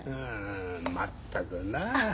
まったくなあ。